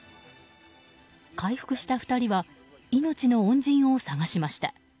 回復した２人は命の恩人を探しました。